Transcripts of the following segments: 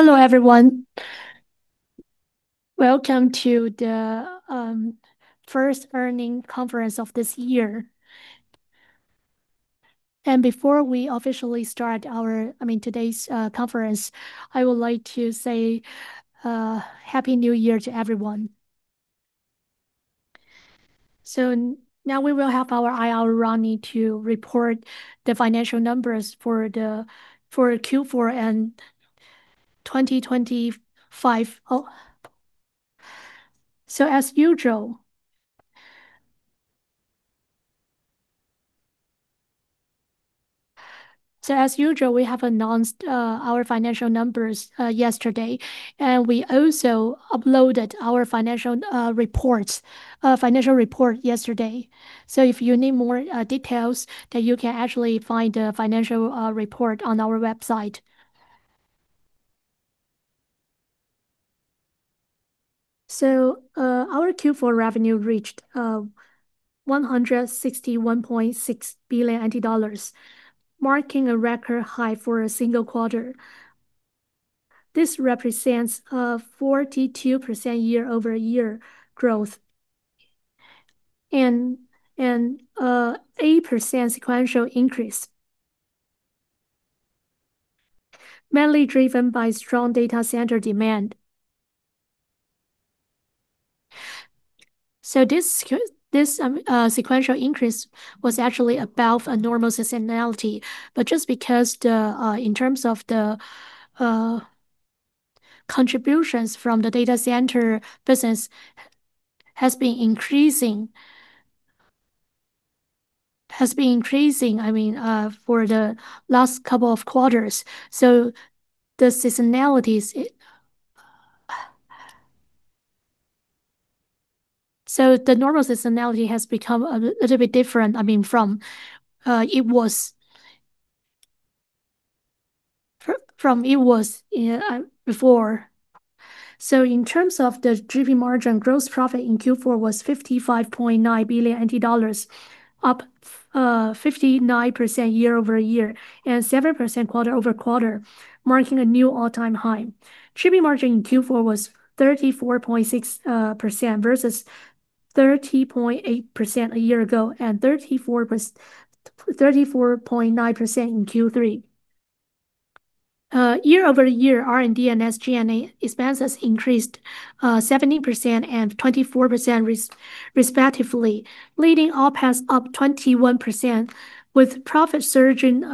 Hello, everyone. Welcome to the first earning conference of this year. Before we officially start our, I mean, today's conference, I would like to say Happy New Year to everyone. Now we will have our IR, Ronnie, to report the financial numbers for Q4 and 2025. As usual, we have announced our financial numbers yesterday, and we also uploaded our financial reports, financial report yesterday. If you need more details, then you can actually find the financial report on our website. Our Q4 revenue reached NT dollars 161.6 billion, marking a record high for a single quarter. This represents 42% year-over-year growth and 8% sequential increase, mainly driven by strong data center demand. This sequential increase was actually above a normal seasonality, but just because the in terms of the contributions from the data center business has been increasing, I mean, for the last couple of quarters. The seasonality is... The normal seasonality has become a little bit different, I mean, from it was, from it was before. In terms of the GP margin, Gross Profit in Q4 was NT dollars 55.9 billion, up 59% year-over-year, and 7% quarter-over-quarter, marking a new all-time high. Shipping margin in Q4 was 34.6% versus 30.8% a year ago, and 34.9% in Q3. Year over year, R&D and SG&A expenses increased 70% and 24% respectively, leading all paths up 21%, with profit surging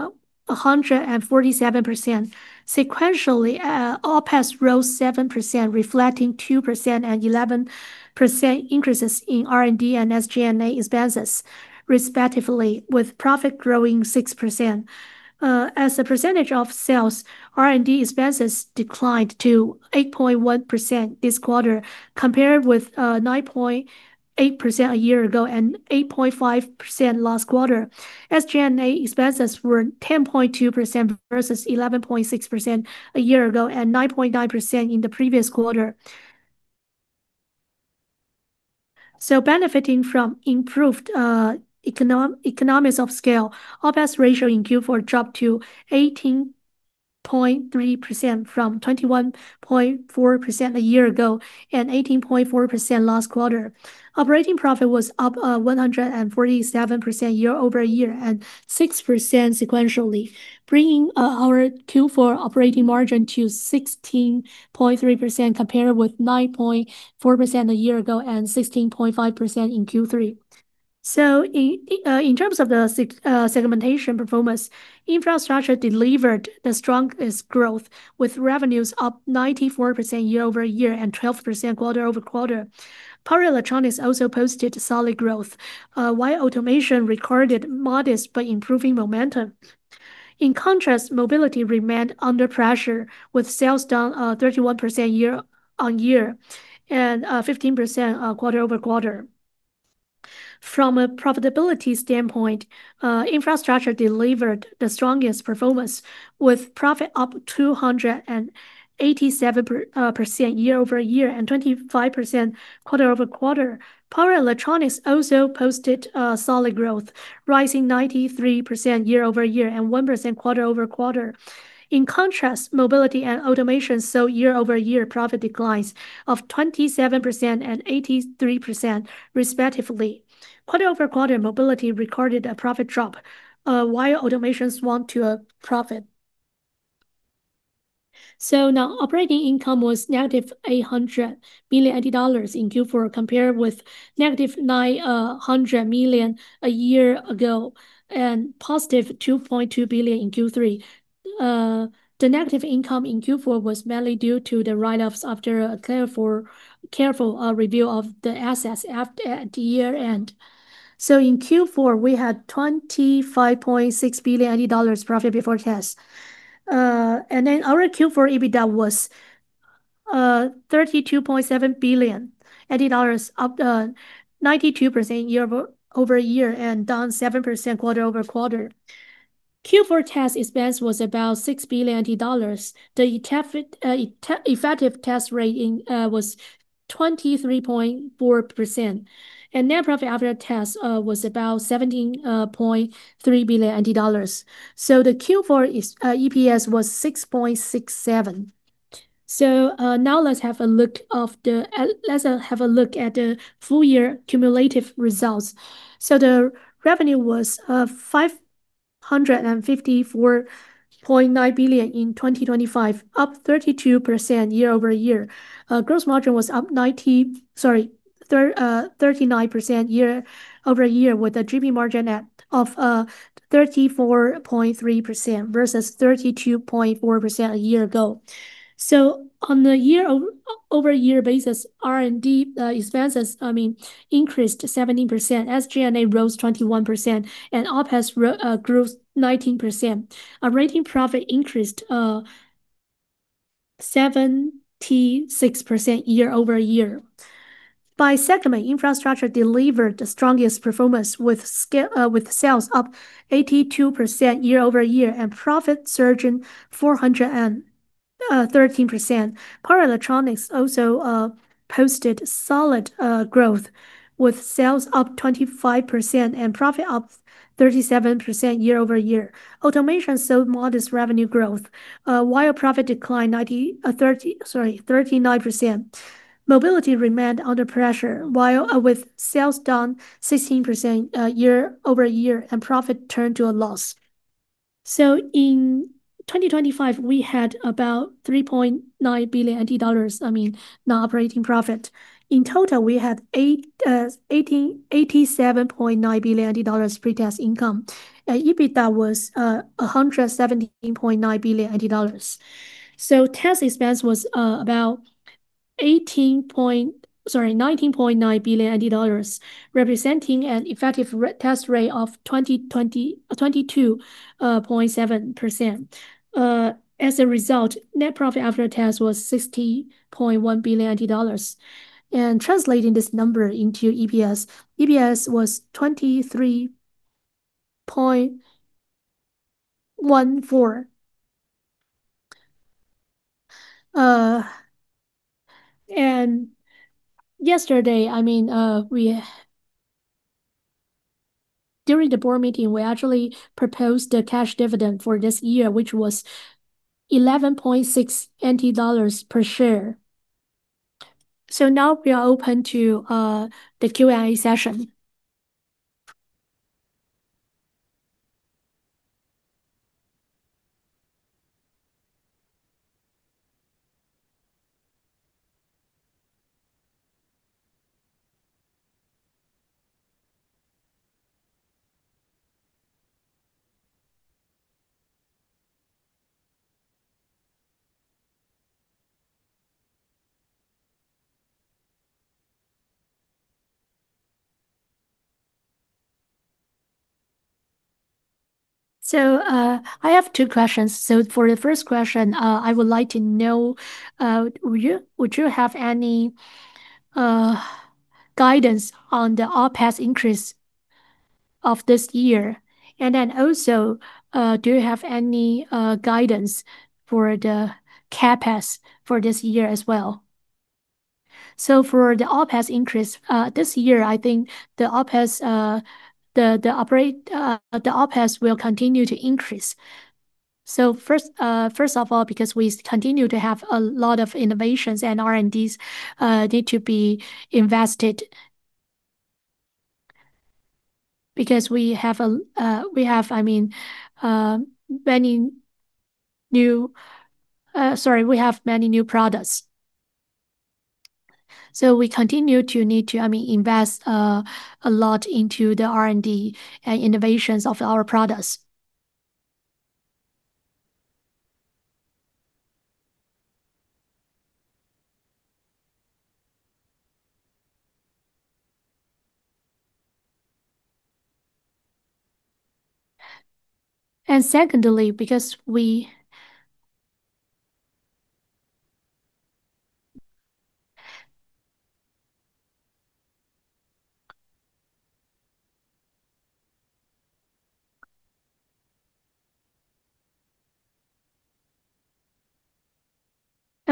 147%. Sequentially, all paths rose 7%, reflecting 2% and 11% increases in R&D and SG&A expenses, respectively, with profit growing 6%. As a percentage of sales, R&D expenses declined to 8.1% this quarter, compared with 9.8% a year ago and 8.5% last quarter. SG&A expenses were 10.2% versus 11.6% a year ago and 9.9% in the previous quarter. Benefiting from improved economics of scale, OpEx ratio in Q4 dropped to 18.3% from 21.4% a year ago and 18.4% last quarter. Operating profit was up 147% year-over-year and 6% sequentially, bringing our Q4 operating margin to 16.3%, compared with 9.4% a year ago and 16.5% in Q3. In terms of the segmentation performance, Infrastructure delivered the strongest growth, with revenues up 94% year-over-year and 12% quarter-over-quarter. Power Electronics also posted solid growth, while Automation recorded modest but improving momentum. In contrast, Mobility remained under pressure, with sales down 31% year-on-year and 15% quarter-over-quarter. From a profitability standpoint, Infrastructure delivered the strongest performance, with profit up 287% year-over-year and 25% quarter-over-quarter. Power Electronics also posted solid growth, rising 93% year-over-year and 1% quarter-over-quarter. In contrast, Mobility and Automation saw year-over-year profit declines of 27% and 83%, respectively. Quarter-over-quarter, Mobility recorded a profit drop, while Automation won to a profit. Operating income was negative NTD 800 billion in Q4, compared with negative NTD 900 million a year ago and positive NTD 2.2 billion in Q3. The negative income in Q4 was mainly due to the write-offs after a careful review of the assets at the year-end. In Q4, we had NTD 25.6 billion profit before tax. Our Q4 EBITDA was NTD 32.7 billion, up 92% year-over-year and down 7% quarter-over-quarter. Q4 tax expense was about NTD 6 billion. The effective tax rate was 23.4%. Net profit after tax was about NTD 17.3 billion. The Q4 EPS was 6.67. Now let's have a look at the full year cumulative results. The revenue was NTD 554.9 billion in 2025, up 32% year-over-year. Gross margin was up 39% year-over-year, with a GP margin of 34.3% versus 32.4% a year ago. On the year-over-year basis, R&D expenses, I mean, increased 70%, SG&A rose 21%, OpEx grew 19%. Operating profit increased 76% year-over-year. By segment, Infrastructure delivered the strongest performance with scale, with sales up 82% year-over-year, and profit surging 413%. Power electronics also posted solid growth, with sales up 25% and profit up 37% year-over-year. Automation saw modest revenue growth, while profit declined 39%. Mobility remained under pressure, with sales down 16% year-over-year, and profit turned to a loss. In 2025, we had about NTD 3.9 billion, I mean, non-operating profit. In total, we had 87.9 billion NT dollars pre-tax income. EBITDA was NTD 117.9 billion. Tax expense was about 18 point... sorry, NTD 19.9 billion, representing an effective tax rate of 22.7%. As a result, net profit after tax was 60.1 billion NT dollars. Translating this number into EPS was 23.14. Yesterday, I mean, we, during the board meeting, we actually proposed a cash dividend for this year, which was NTD 11.6 per share. Now we are open to the Q&A session. I have two questions. For the first question, I would like to know, would you have any guidance on the OpEx increase of this year? Also, do you have any guidance for the CapEx for this year as well? For the OpEx increase this year, I think the OpEx the operate the OpEx will continue to increase. First, first of all, because we continue to have a lot of innovations and R&Ds need to be invested. Because we have, I mean, many new, sorry, we have many new products. We continue to need to, I mean, invest a lot into the R&D and innovations of our products. Secondly,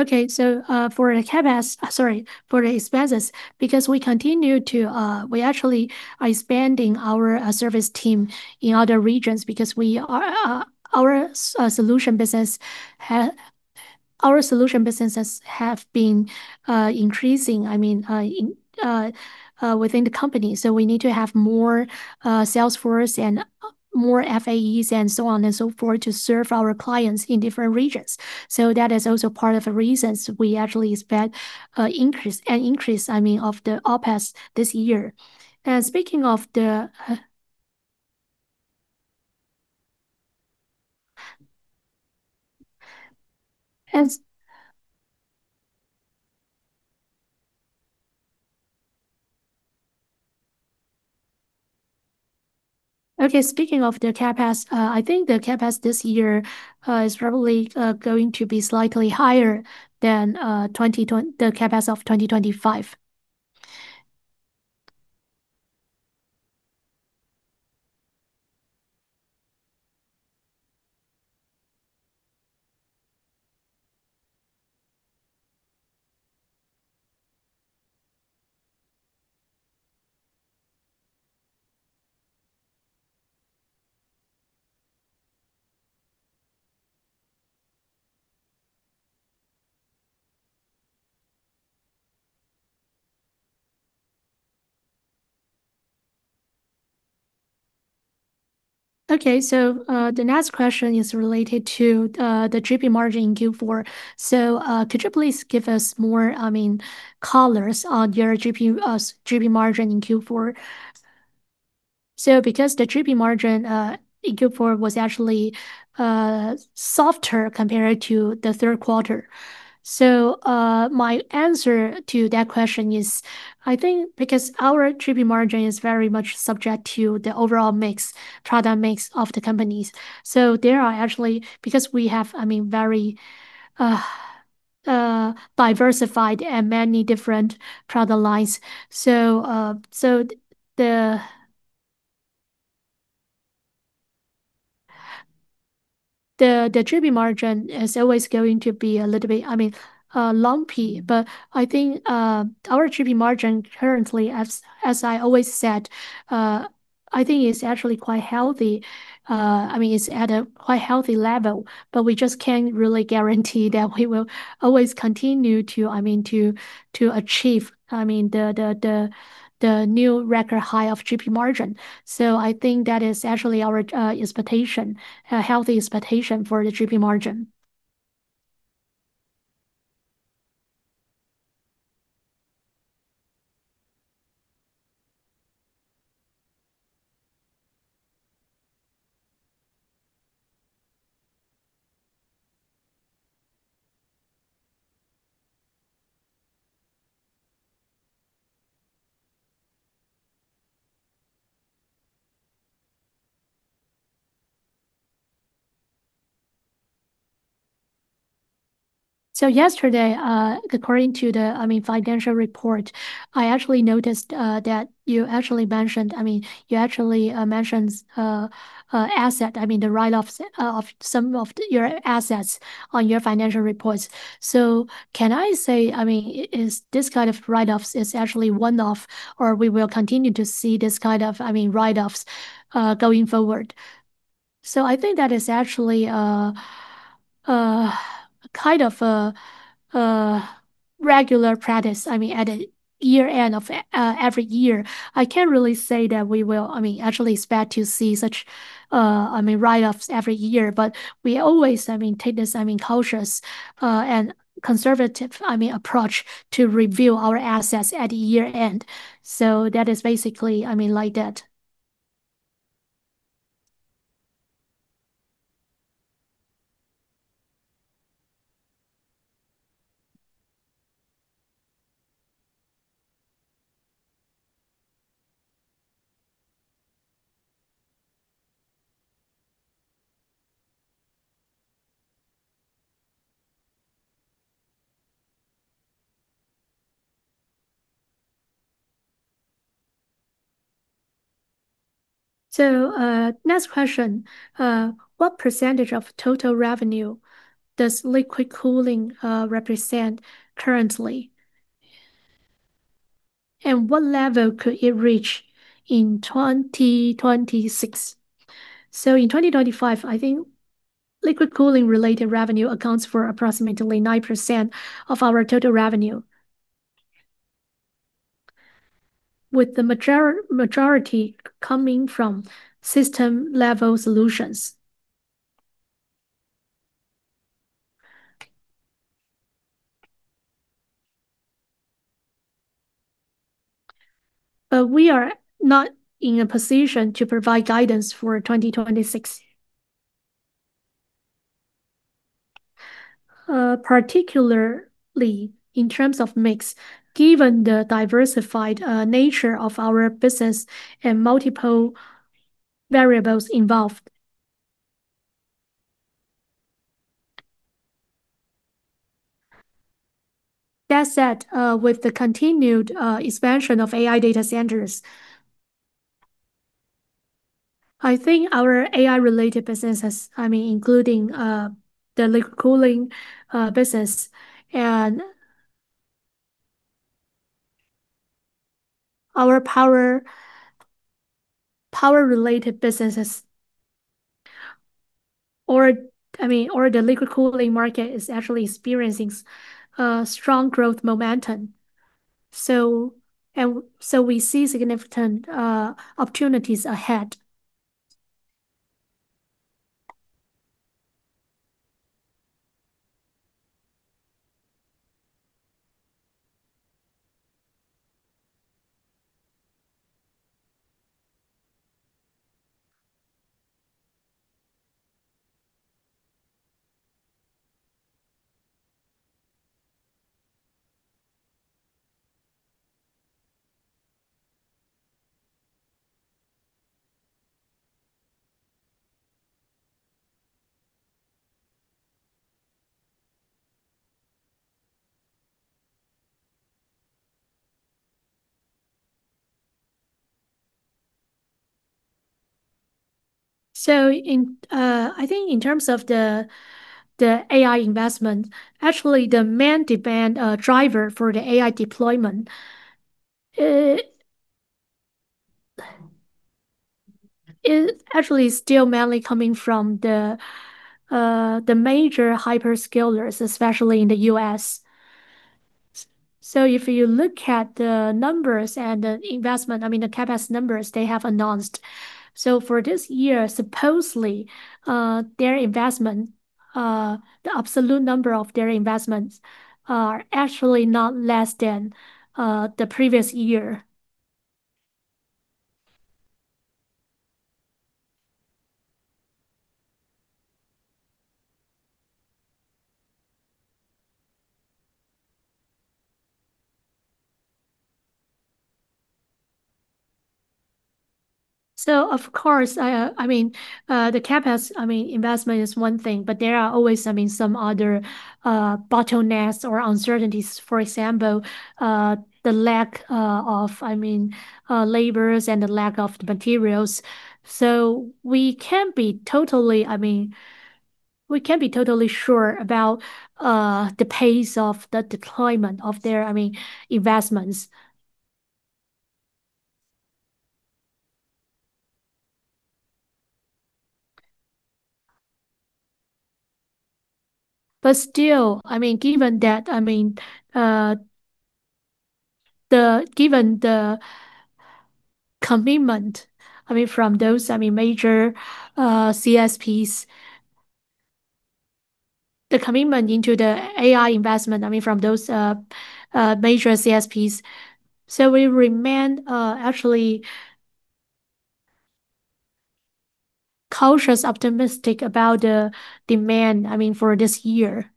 Okay, for the CapEx, sorry, for the expenses, because we continue to, we actually are expanding our service team in other regions, because we are, our solution businesses have been increasing, I mean, in within the company. We need to have more sales force and more FAEs and so on and so forth, to serve our clients in different regions. That is also part of the reasons we actually expect an increase, I mean, of the OpEx this year. Speaking of the CapEx, I think the CapEx this year is probably going to be slightly higher than the CapEx of 2025. The next question is related to the GP margin in Q4. Could you please give us more, I mean, colors on your GP margin in Q4? Because the GP margin in Q4 was actually softer compared to the third quarter. My answer to that question is, I think because our GP margin is very much subject to the overall mix, product mix of the companies. There are actually, because we have, I mean, very diversified and many different product lines. The GP margin is always going to be a little bit, I mean, lumpy, but I think our GP margin currently, as I always said, I think it's actually quite healthy. I mean, it's at a quite healthy level, but we just can't really guarantee that we will always continue to, I mean, to achieve, I mean, the new record high of GP margin. I think that is actually our expectation, a healthy expectation for the GP margin. Yesterday, according to the, I mean, financial report, I actually noticed that you actually mentioned, I mean, you actually mentioned asset, I mean, the write-offs of some of your assets on your financial reports. Can I say, I mean, is this kind of write-offs is actually one-off, or we will continue to see this kind of, I mean, write-offs going forward? I think that is actually kind of a regular practice, I mean, at a year-end of every year. I can't really say that we will, I mean, actually expect to see such, I mean, write-offs every year, but we always, I mean, take this, I mean, cautious and conservative, I mean, approach to review our assets at year-end. That is basically, I mean, like that. Next question: What percentage of total revenue does liquid cooling represent currently? What level could it reach in 2026? In 2025, I think liquid cooling related revenue accounts for approximately 9% of our total revenue, with the majority coming from system-level solutions. We are not in a position to provide guidance for 2026, particularly in terms of mix, given the diversified nature of our business and multiple variables involved. That said, with the continued expansion of AI data centers, I think our AI-related businesses, I mean, including the liquid cooling business and our power-related businesses, or the liquid cooling market is actually experiencing strong growth momentum. We see significant opportunities ahead. In, I think in terms of the AI investment, actually, the main demand driver for the AI deployment is actually still mainly coming from the major hyperscalers, especially in the US. If you look at the numbers and the investment, I mean, the CapEx numbers they have announced. For this year, supposedly, their investment, the absolute number of their investments are actually not less than the previous year. Of course, I mean, the CapEx, I mean, investment is one thing, but there are always, I mean, some other bottlenecks or uncertainties. For example, the lack of, I mean, labors and the lack of the materials. We can't be totally, I mean, we can't be totally sure about the pace of the deployment of their, I mean, investments. Still, I mean, given that, I mean, given the commitment, I mean, from those, I mean, major CSPs, the commitment into the AI investment, I mean, from those major CSPs, we remain actually cautious, optimistic about the demand, I mean, for this year.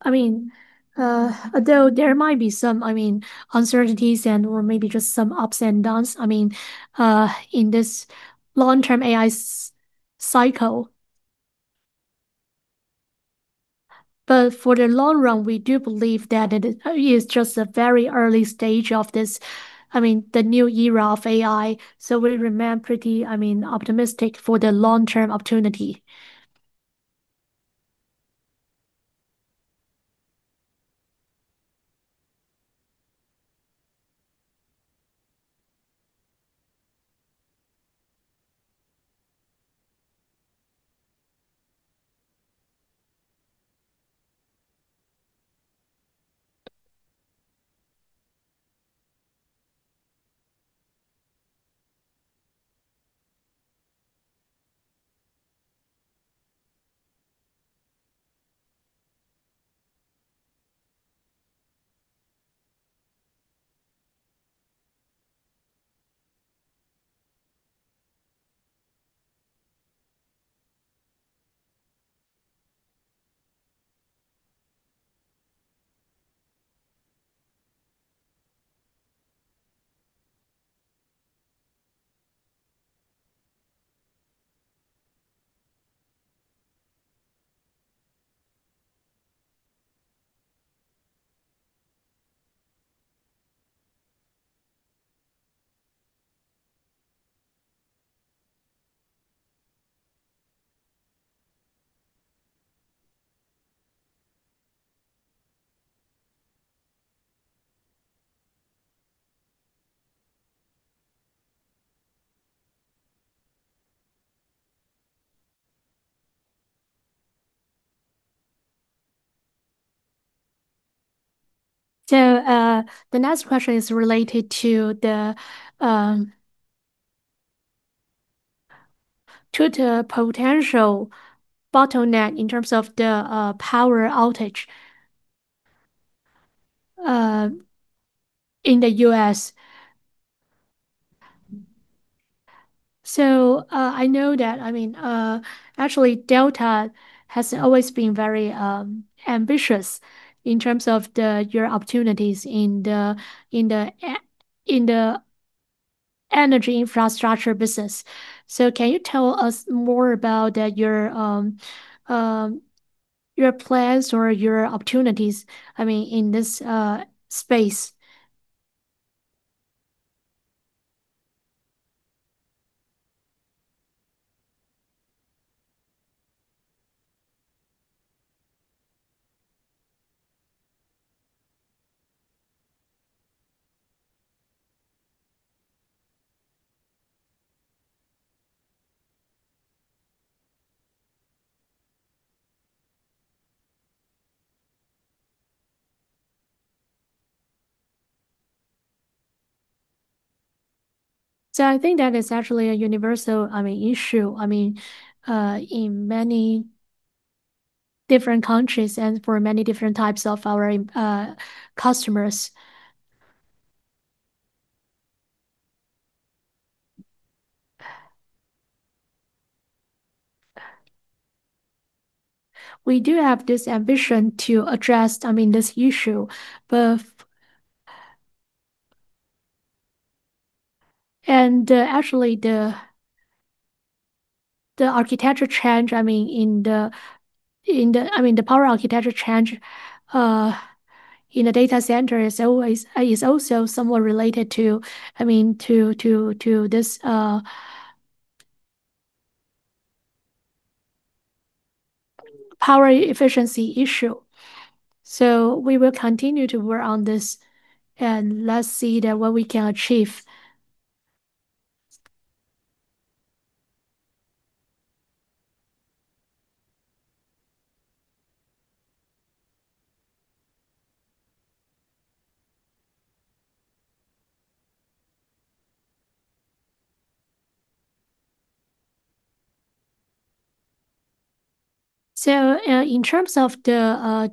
I mean, although there might be some, I mean, uncertainties and or maybe just some ups and downs, I mean, in this long-term AI cycle. For the long run, we do believe that it is just a very early stage of this, I mean, the new era of AI, so we remain pretty, I mean, optimistic for the long-term opportunity. The next question is related to the, to the potential bottleneck in terms of the power outage in the U.S. I know that, I mean, actually, Delta has always been very ambitious in terms of the, your opportunities in the energy infrastructure business. Can you tell us more about, your plans or your opportunities, I mean, in this space? I think that is actually a universal, I mean, issue, I mean, in many different countries and for many different types of our customers.... We do have this ambition to address, I mean, this issue, but, and, actually the architecture change, I mean, in the, in the, I mean, the power architecture change in the data center is always, is also somewhat related to, I mean, to this power efficiency issue. We will continue to work on this, and let's see that what we can achieve. In terms of the,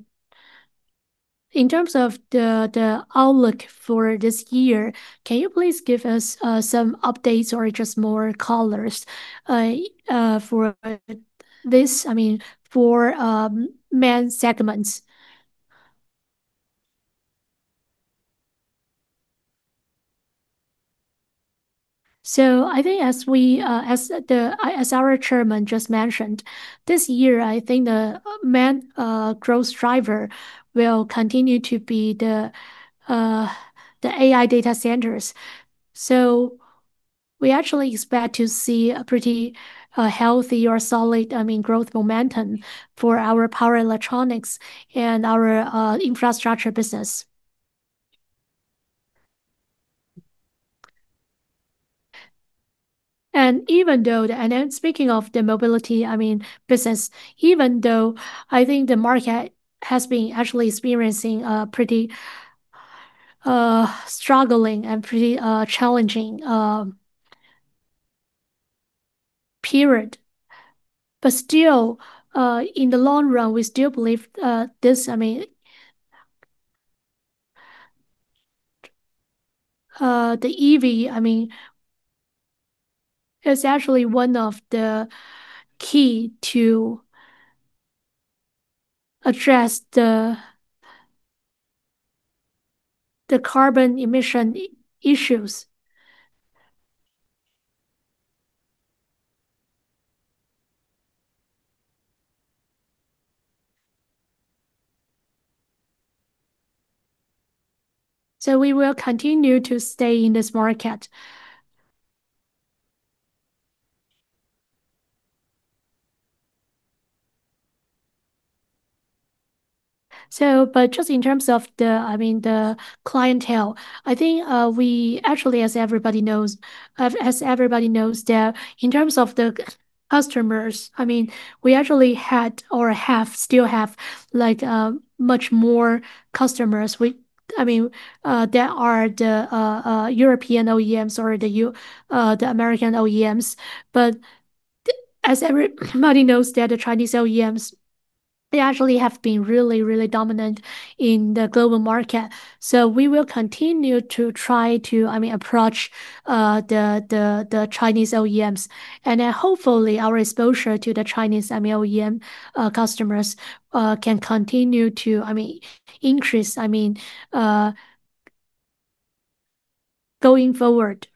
in terms of the outlook for this year, can you please give us some updates or just more colors for this, I mean, for main segments? I think as we, as the, as our Chairman just mentioned, this year, I think the main growth driver will continue to be the AI data centers. We actually expect to see a pretty healthy or solid, I mean, growth momentum for our power electronics and our infrastructure business. Even though and then speaking of the Mobility, I mean, business, even though I think the market has been actually experiencing a pretty struggling and pretty challenging period, but still, in the long run, we still believe, this, I mean, the EV, I mean, is actually one of the key to address the carbon emission issues. We will continue to stay in this market. But just in terms of the, I mean, the clientele, I think, we actually, as everybody knows, as everybody knows, that in terms of the customers, I mean, we actually had or have, still have, like, much more customers. We, I mean, there are the European OEMs or the American OEMs, but as everybody knows, that the Chinese OEMs, they actually have been really, really dominant in the global market. We will continue to try to, I mean, approach the Chinese OEMs, hopefully our exposure to the Chinese OEM customers can continue to, I mean, increase, I mean, going forward.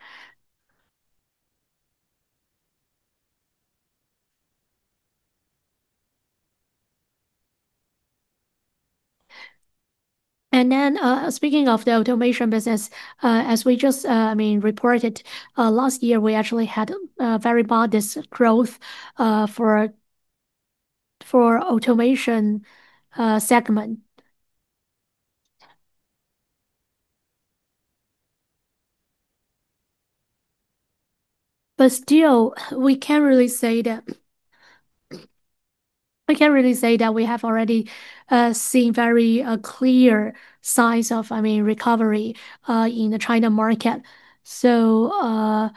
Speaking of the automation business, as we just, I mean, reported last year, we actually had very modest growth for automation segment. Still, we can't really say that we have already seen very clear signs of, I mean, recovery in the China market. The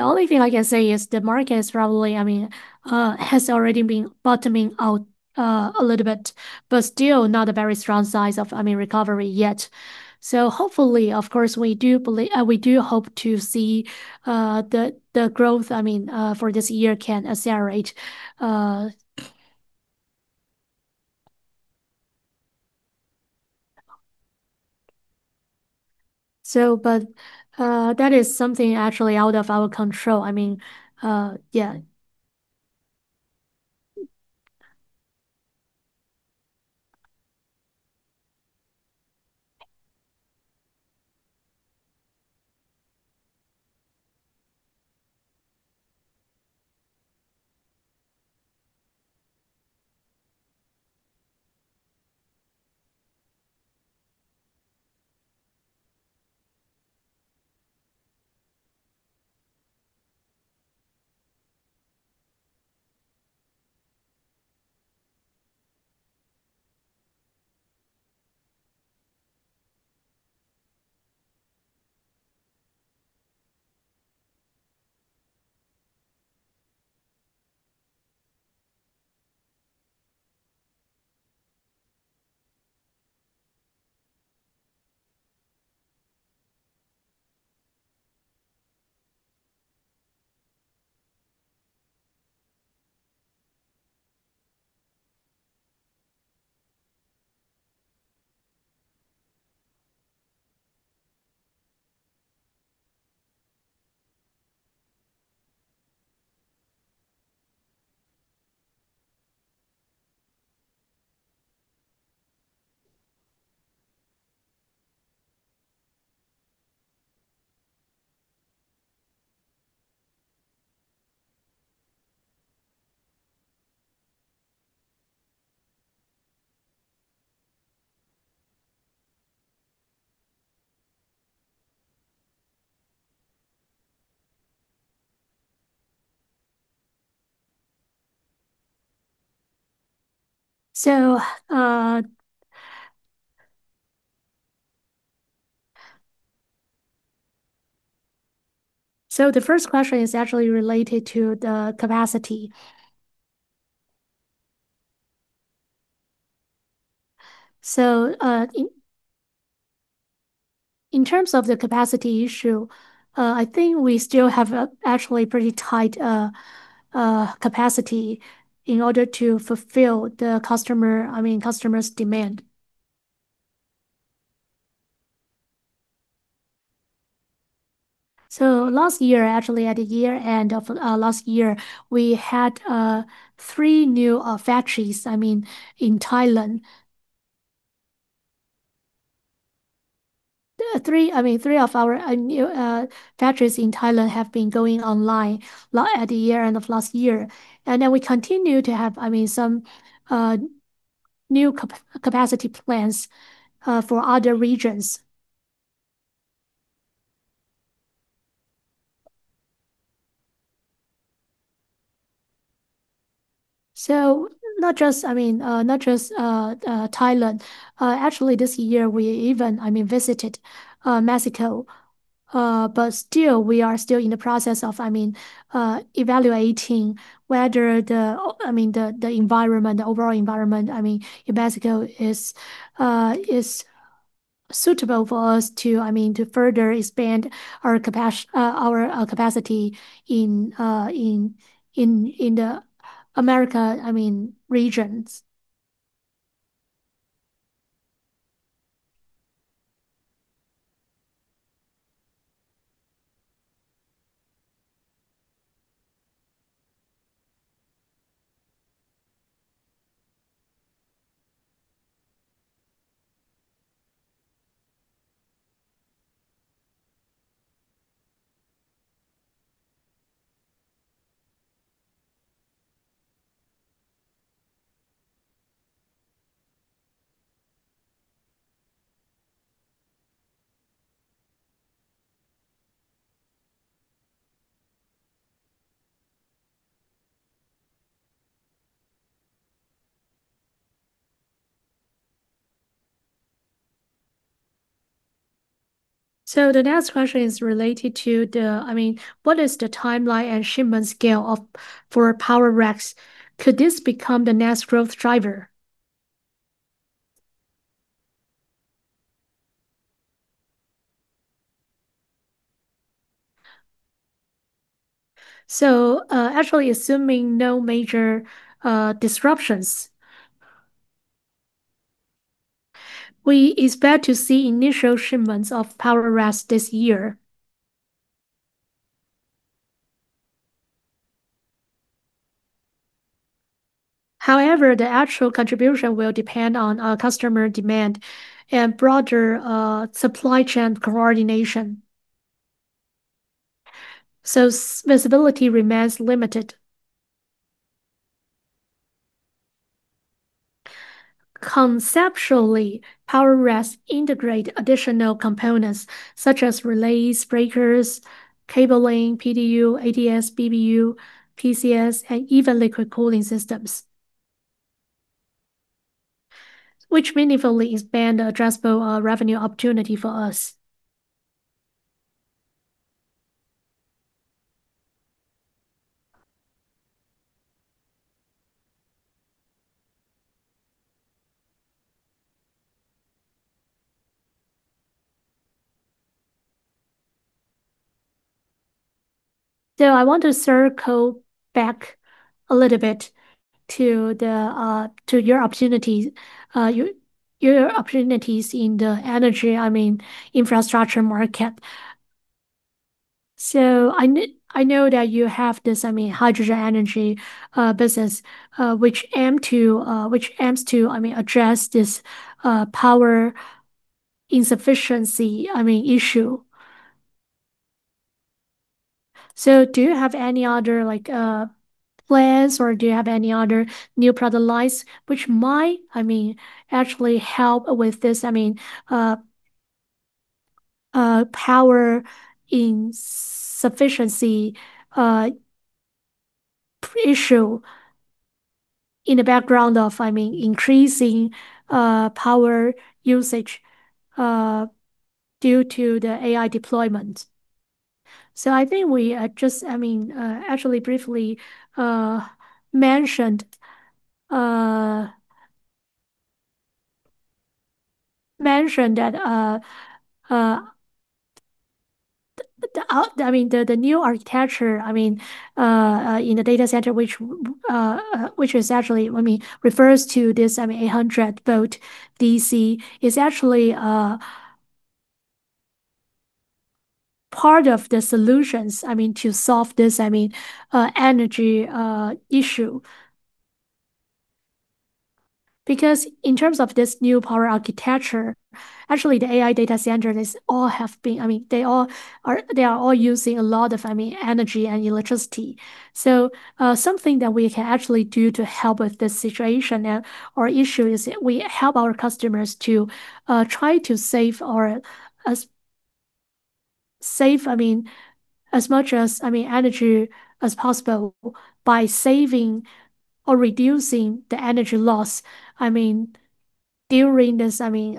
only thing I can say is the market is probably, I mean, has already been bottoming out a little bit, but still not a very strong signs of, I mean, recovery yet. Hopefully, of course, we do believe, we do hope to see the growth, I mean, for this year can accelerate. That is something actually out of our control. I mean. The first question is actually related to the capacity. In terms of the capacity issue, I think we still have a actually pretty tight capacity in order to fulfill the customer, I mean, customer's demand. Last year, actually, at the year end of last year, we had 3 new factories, I mean, in Thailand. 3, I mean, 3 of our new factories in Thailand have been going online at the year end of last year. We continue to have, I mean, some new capacity plans for other regions. Not just, I mean, not just Thailand. Actually, this year, we even, I mean, visited Mexico, but still, we are still in the process of, I mean, evaluating whether the, I mean, the environment, the overall environment, I mean, in Mexico is suitable for us to, I mean, to further expand our capacity in, in the America, I mean, regions. The next question is related to the, I mean, what is the timeline and shipment scale for PowerRacks? Could this become the next growth driver? Actually, assuming no major disruptions, we expect to see initial shipments of PowerRacks this year. However, the actual contribution will depend on customer demand and broader supply chain coordination. Visibility remains limited. Conceptually, PowerRacks integrate additional components such as relays, breakers, cabling, PDU, ADS, BBU, PCS, and even liquid cooling systems, which meaningfully expand the addressable revenue opportunity for us. I want to circle back a little bit to the to your opportunities, your opportunities in the energy, I mean, infrastructure market. I know that you have this, I mean, hydrogen energy business, which aims to, I mean, address this power insufficiency, I mean, issue. Do you have any other, like plans, or do you have any other new product lines which might, I mean, actually help with this, I mean, power insufficiency issue in the background of, I mean, increasing power usage due to the AI deployment? I think we just, I mean, actually briefly mentioned that the, I mean, the new architecture, I mean, in the data center, which is actually, I mean, refers to this, I mean, 800 VDC, is actually part of the solutions, I mean, to solve this, I mean, energy issue. In terms of this new power architecture, actually, the AI data center, they are all using a lot of, I mean, energy and electricity. Something that we can actually do to help with this situation and or issue is that we help our customers to try to save or save, I mean, as much as, I mean, energy as possible by saving or reducing the energy loss, I mean, during this, I mean,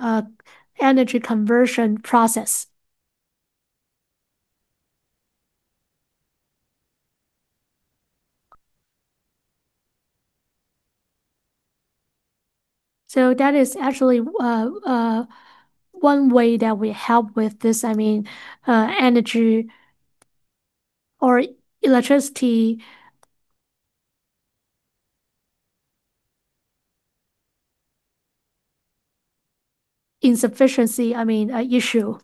energy conversion process. That is actually one way that we help with this, I mean, energy or electricity insufficiency, I mean, issue.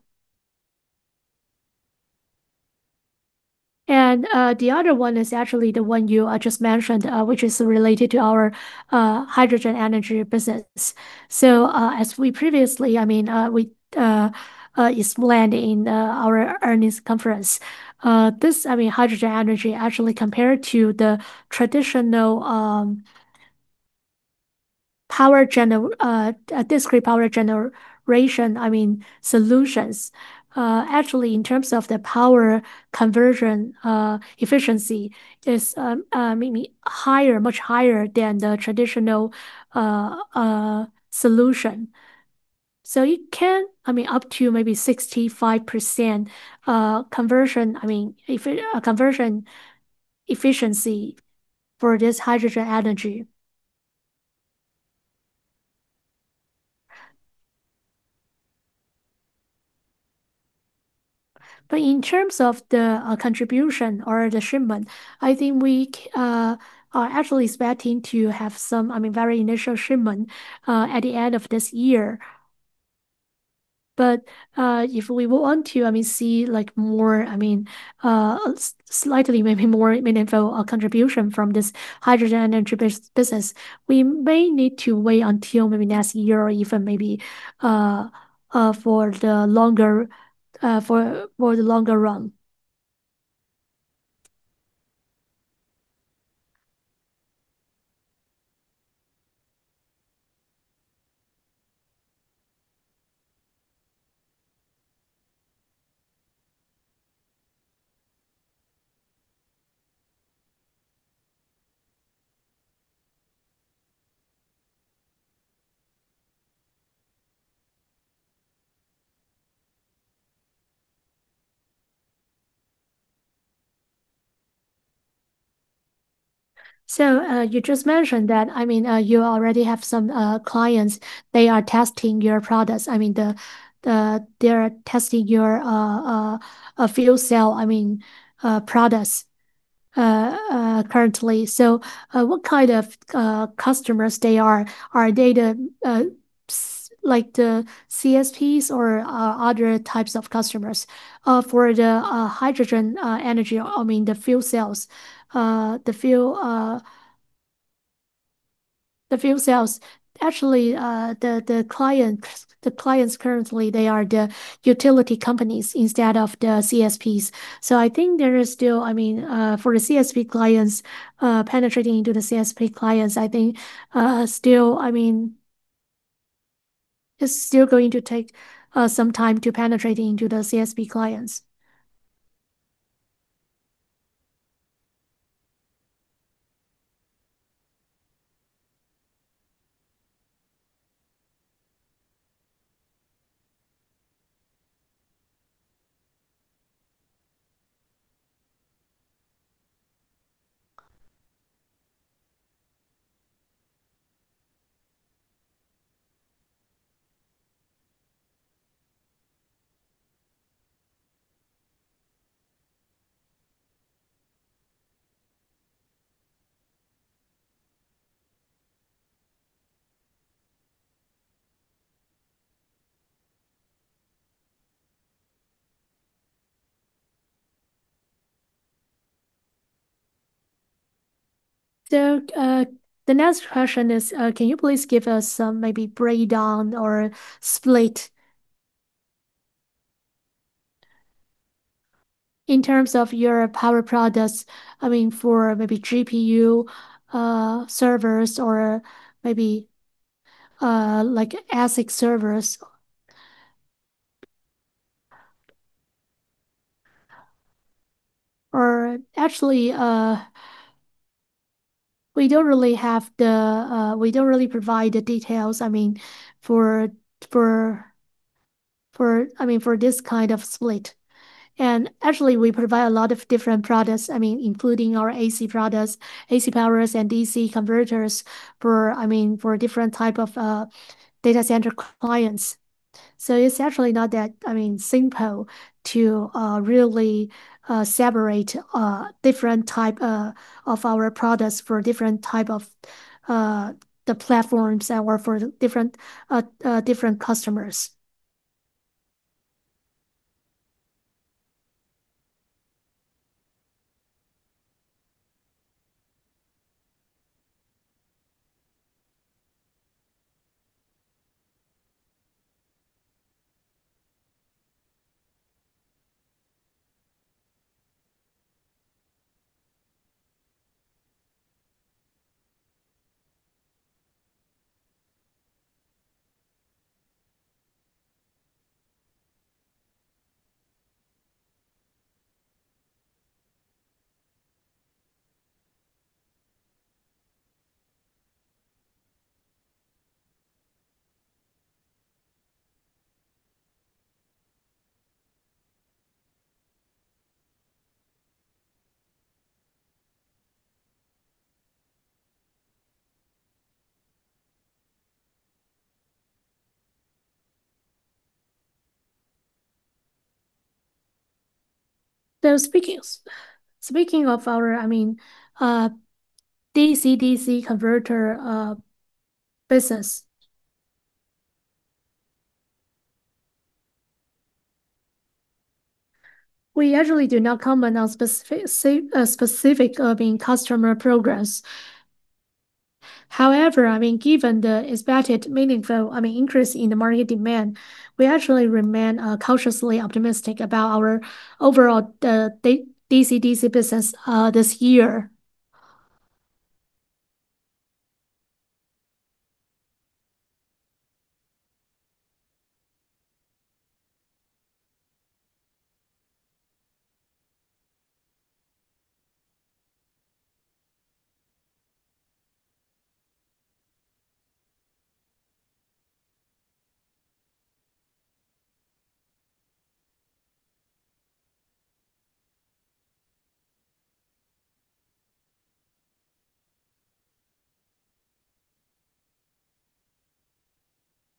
The other one is actually the one you just mentioned, which is related to our hydrogen energy business. As we previously, I mean, we explained in our earnings conference, this, I mean, Hydrogen energy, actually, compared to the traditional, discrete power generation, I mean, solutions, actually, in terms of the power conversion efficiency, is, maybe higher, much higher than the traditional solution. It can, I mean, up to maybe 65% conversion, I mean, conversion efficiency for this Hydrogen energy. In terms of the contribution or the shipment, I think we are actually expecting to have some, I mean, very initial shipment, at the end of this year. If we want to see more slightly, maybe more meaningful contribution from this hydrogen energy business, we may need to wait until maybe next year or even maybe for the longer run. You just mentioned that you already have some clients, they are testing your products. They are testing your fuel cell products currently. What kind of customers they are? Are they the like the CSPs or other types of customers? For the hydrogen energy, the fuel cells, the clients currently, they are the utility companies instead of the CSPs. I think there is still, I mean, for the CSP clients, penetrating into the CSP clients, I think, still, I mean, it's still going to take some time to penetrate into the CSP clients. The next question is, can you please give us some maybe breakdown or split in terms of your power products, I mean, for maybe GPU servers or maybe, like, ASIC servers? Actually, we don't really have the, we don't really provide the details, I mean, for, I mean, for this kind of split. Actually, we provide a lot of different products, I mean, including our AC products, AC powers, and DC converters for, I mean, for different type of data center clients. It's actually not that, I mean, simple to really separate different type of our products for different type of the platforms that work for different different customers. Speaking of our, I mean, DC-DC converter business, we usually do not comment on specific specific, I mean, customer progress. However, I mean, given the expected meaningful, I mean, increase in the market demand, we actually remain cautiously optimistic about our overall DC-DC business this year.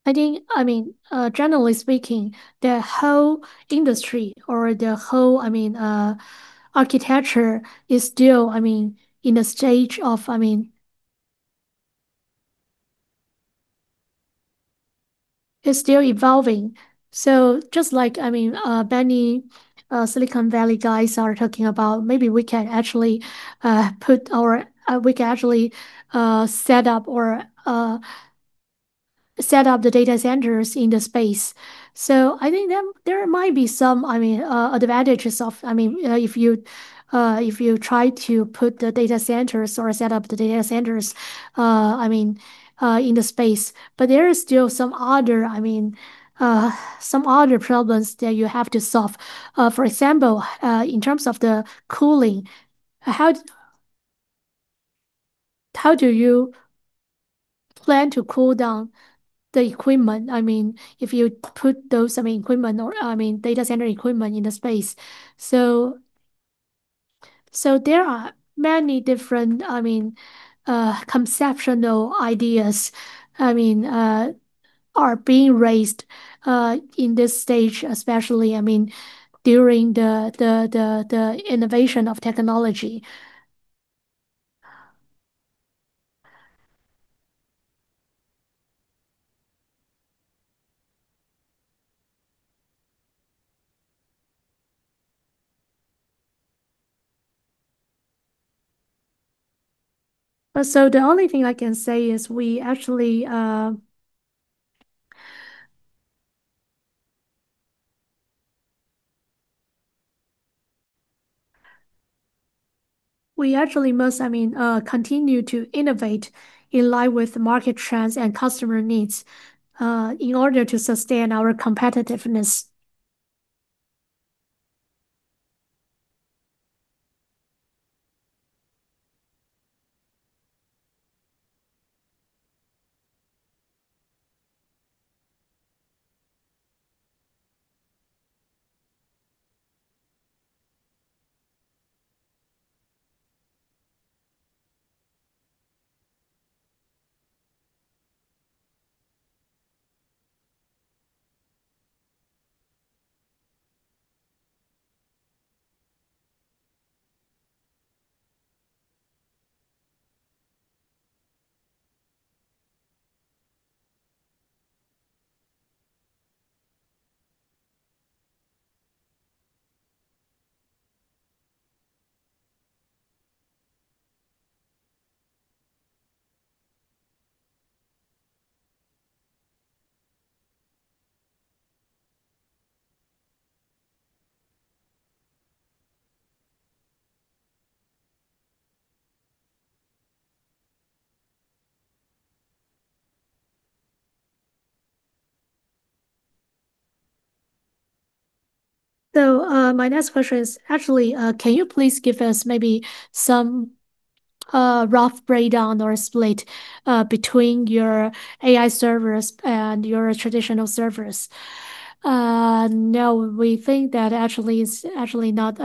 I think, I mean, generally speaking, the whole industry or the whole, I mean, architecture is still, I mean, in a stage of, I mean. It's still evolving. just like, I mean, many Silicon Valley guys are talking about, maybe we can actually set up the data centers in the space. I think there might be some, I mean, advantages of, I mean, if you, if you try to put the data centers or set up the data centers, I mean, in the space. there is still some other, I mean, some other problems that you have to solve. for example, in terms of the cooling, how do you plan to cool down the equipment? I mean, if you put those, I mean, equipment or, I mean, data center equipment in the space. There are many different, I mean, conceptual ideas, I mean, are being raised in this stage, especially, I mean, during the innovation of technology. The only thing I can say is we actually, we actually must, I mean, continue to innovate in line with market trends and customer needs in order to sustain our competitiveness. My next question is, actually, can you please give us maybe some rough breakdown or split between your AI servers and your traditional servers? We think that actually it's actually not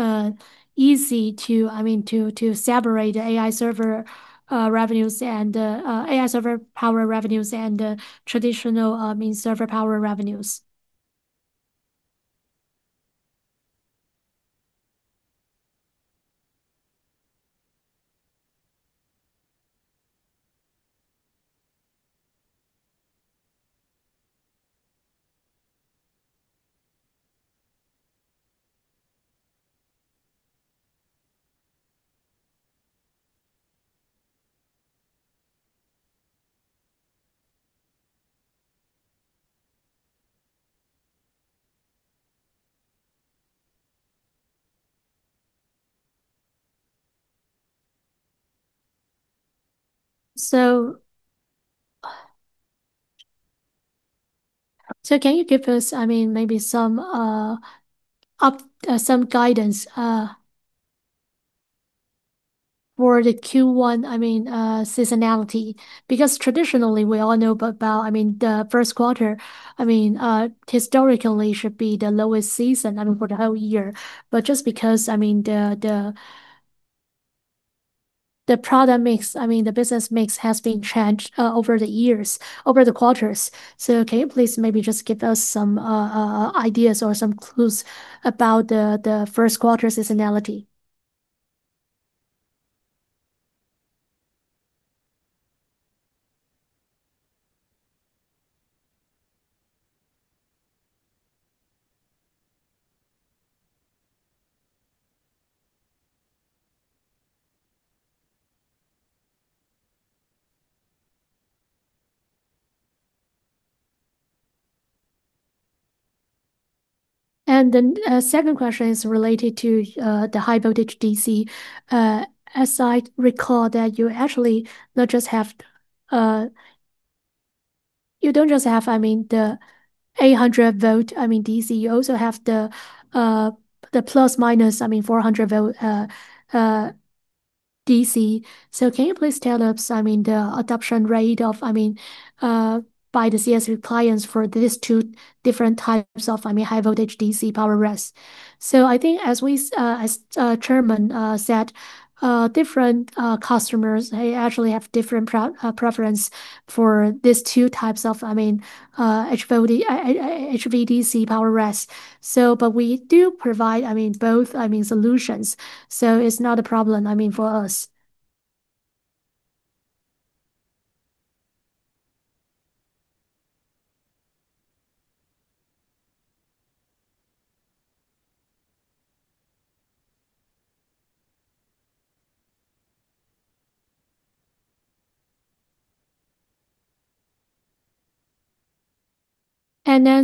easy to, I mean, to separate the AI server revenues and AI server power revenues and traditional, I mean, server power revenues. Can you give us maybe some guidance for the Q1 seasonality? Because traditionally, we all know about the first quarter historically should be the lowest season for the whole year. Just because the product mix, the business mix has been changed over the years, over the quarters. Can you please maybe just give us some ideas or some clues about the first quarter seasonality? Second question is related to the high voltage DC. As I recall, that you actually not just have, you don't just have the 800 volt DC, you also have the ±400 volt DC. Can you please tell us, I mean, the adoption rate of, I mean, by the CSP clients for these 2 different types of, I mean, high voltage DC power racks? I think as we, as Chairman said, different customers, they actually have different preference for these 2 types of, I mean, HVDC power racks. We do provide, I mean, both, I mean, solutions, so it's not a problem, I mean, for us.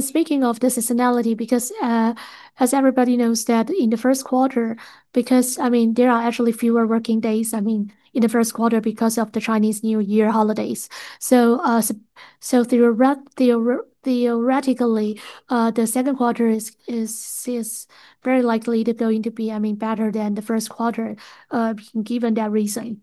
Speaking of the seasonality, because, as everybody knows that in the first quarter, because, I mean, there are actually fewer working days, I mean, in the first quarter because of the Chinese New Year holidays. Theoretically, the second quarter is very likely to going to be, I mean, better than the first quarter, given that reason.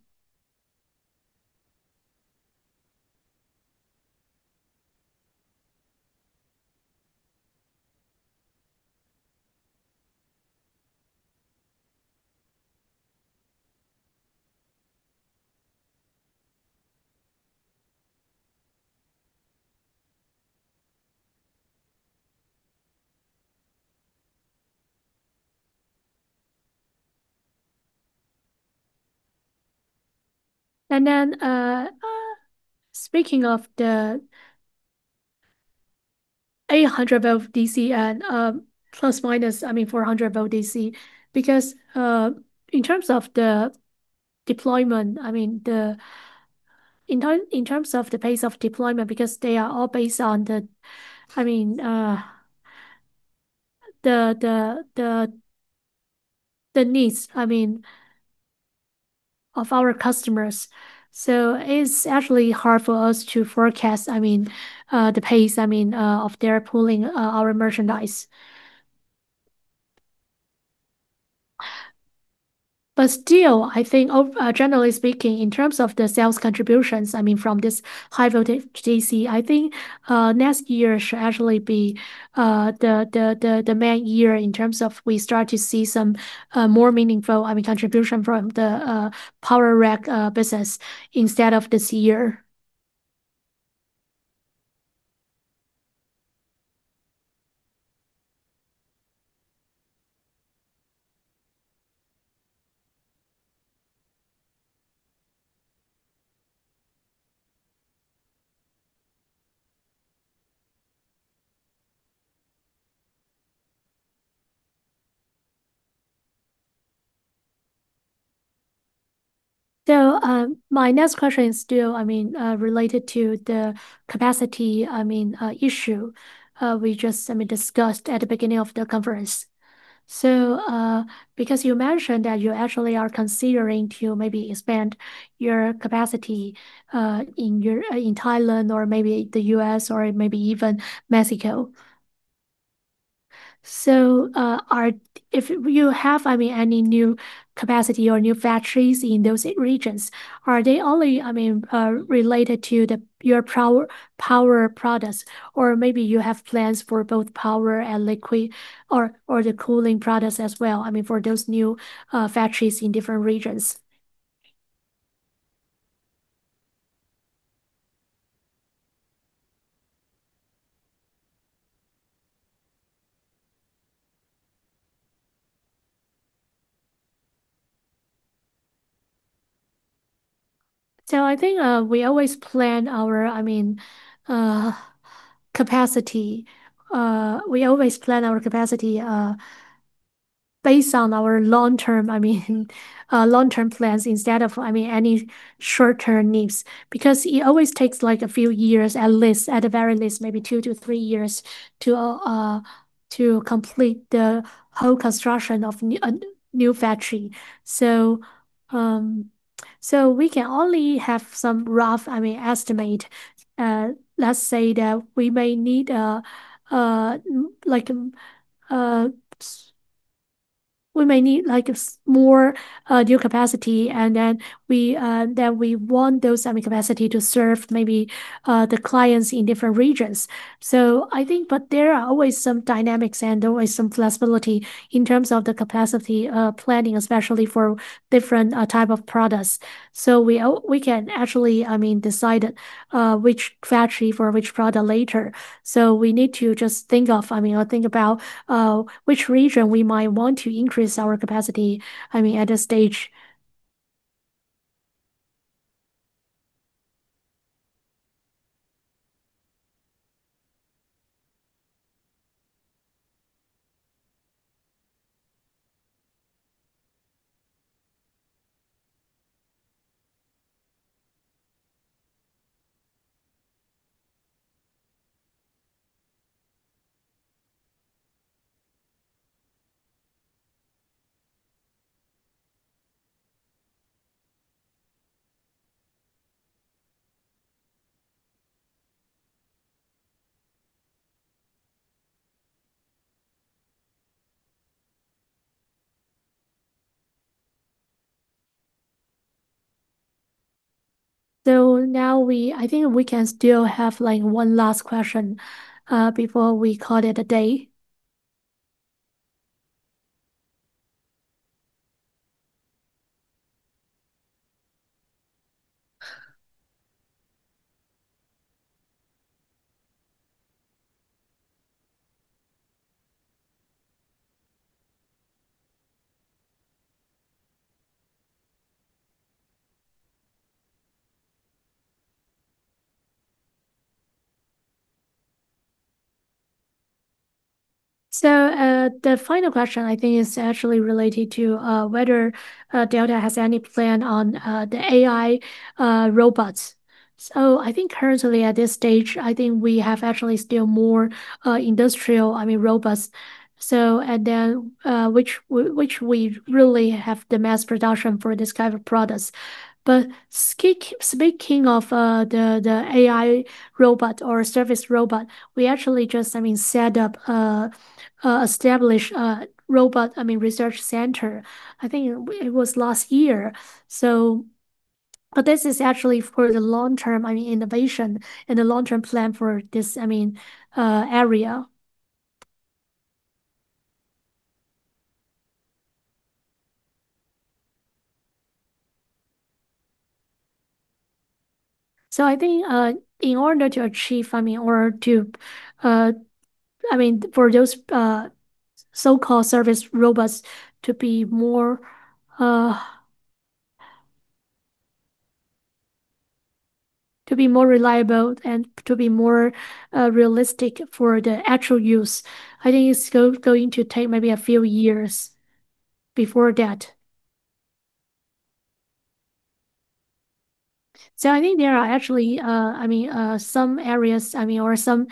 Speaking of the 800 VDC and ±400 VDC, because, in terms of the deployment, in terms of the pace of deployment, because they are all based on the, I mean, the needs, I mean, of our customers. It's actually hard for us to forecast, I mean, the pace, I mean, of their pulling, our merchandise. Still, I think of, generally speaking, in terms of the sales contributions, I mean, from this high voltage DC, I think, next year should actually be the, the main year in terms of we start to see some more meaningful, I mean, contribution from the power Rack business instead of this year. My next question is still, I mean, related to the capacity, I mean, issue we just, I mean, discussed at the beginning of the conference. Because you mentioned that you actually are considering to maybe expand your capacity in your, in Thailand or maybe the U.S., or maybe even Mexico. Are if you have, I mean, any new capacity or new factories in those regions, are they only, I mean, related to the, your power products? Maybe you have plans for both power and liquid or the cooling products as well, I mean, for those new factories in different regions. I think we always plan our capacity based on our long-term, I mean, long-term plans instead of, I mean, any short-term needs. It always takes, like, a few years at least, at the very least, maybe 2-3 years to complete the whole construction of a new factory. We can only have some rough, I mean, estimate. Let's say that we may need, like, more new capacity, and then we want those semi capacity to serve maybe the clients in different regions. I think there are always some dynamics and always some flexibility in terms of the capacity planning, especially for different type of products. We can actually, I mean, decide which factory for which product later. We need to just think of, I mean, or think about which region we might want to increase our capacity, I mean, at this stage. Now I think we can still have, like, one last question before we call it a day. The final question, I think, is actually related to whether Delta has any plan on the AI robots. Currently at this stage, I think we have actually still more industrial, I mean, robots. Which we really have the mass production for this type of products. Speaking of the AI robot or service robot, we actually just, I mean, set up, establish a robot, I mean, research center. I think it was last year. This is actually for the long-term, I mean, innovation and the long-term plan for this, I mean, area. I think in order to achieve, I mean, or to, I mean, for those so-called service robots to be more reliable and to be more realistic for the actual use, I think it's going to take maybe a few years before that. I think there are actually, I mean, some areas, I mean, or some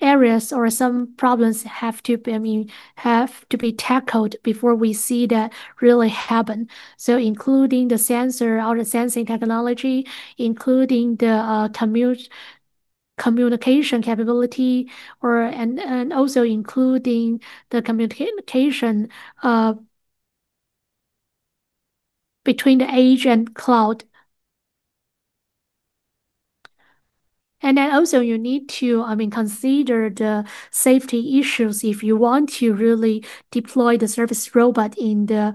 areas or some problems have to be, I mean, have to be tackled before we see that really happen. Including the sensor or the sensing technology, including the communication capability, or, and also including the communication between the edge and cloud. Then also you need to, I mean, consider the safety issues if you want to really deploy the service robot in the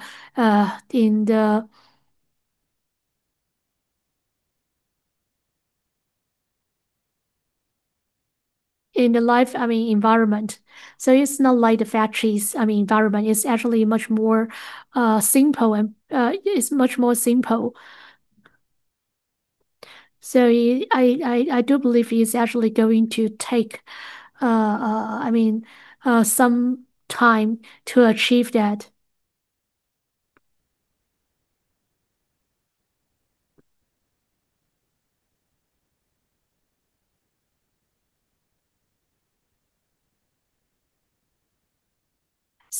in the live, I mean, environment. It's not like the factories, I mean, environment. It's actually much more simple and it's much more simple. I do believe it's actually going to take, I mean, some time to achieve that.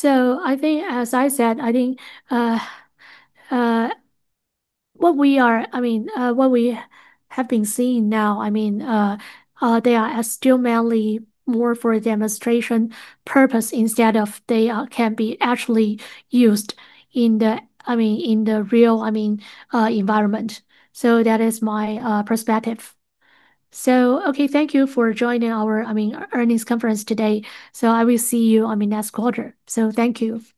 I think, as I said, I think, what we are, I mean, what we have been seeing now, I mean, they are still mainly more for a demonstration purpose instead of they, can be actually used in the, I mean, in the real, I mean, environment. That is my perspective. Okay, thank you for joining our, I mean, earnings conference today. I will see you on the next quarter. Thank you. Thank you.